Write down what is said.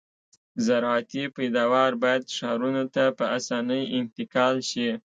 زراعتي پیداوار باید ښارونو ته په اسانۍ انتقال شي